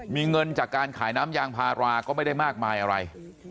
มีเงินจากการขายน้ำยางพาราก็ไม่ได้มากมายอะไร